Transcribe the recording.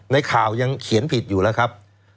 ในข่าวยังเขียนผิดอยู่แล้วครับ